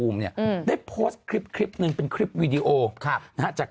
ไม่มีสิทธิ์น่ากลัวอีกมาก